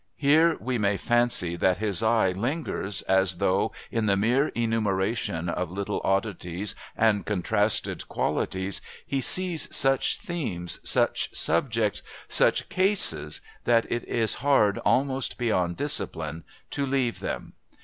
Here we may fancy that his eye lingers as though in the mere enumeration of little oddities and contrasted qualities he sees such themes, such subjects, such "cases" that it is hard, almost beyond discipline, to leave them.